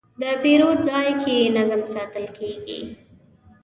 د پیرود ځای کې نظم ساتل کېږي.